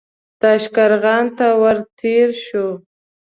تاشقرغان ته ور تېر شو.